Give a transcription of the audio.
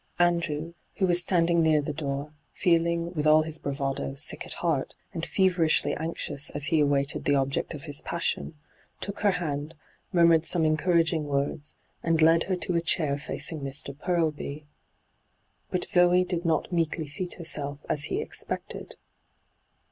Andrew, who was standing near the door, feeling, with all his bravado, sick at heart, and feverishly anxious as he awaited the object of his passion, took her hand, murmured some encouraging words, and led her to a chair fexjing Mr. Purlby. But Zoe did not meekly seat herself as be expected.